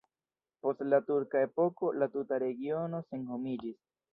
Post la turka epoko la tuta regiono senhomiĝis.